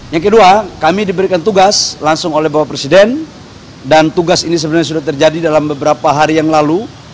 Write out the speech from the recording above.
yang kedua kami diberikan tugas langsung oleh bapak presiden dan tugas ini sebenarnya sudah terjadi dalam beberapa hari yang lalu